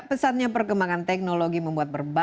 pesannya perkembangan teknologi membuat berbahaya